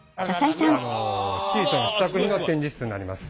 シートの試作品の展示室になります。